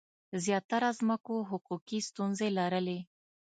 زیاتره ځمکو حقوقي ستونزې لرلې.